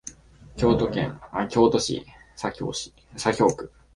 京都市左京区